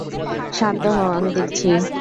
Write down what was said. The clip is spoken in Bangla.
শান্ত হও, আমি দেখছি।